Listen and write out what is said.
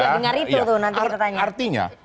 kita juga dengar itu tuh nanti kita tanya